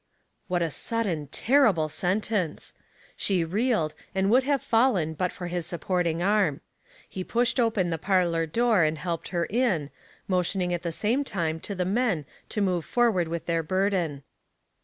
What a sudden, terrible sentence! She reeled, and would have fallen but for his supporting 296 Household Puzzles. arm. He pushed open the parlor door, and helped her in, motioning at the same time to the men to move forward with their burden.